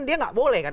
dia tidak boleh kan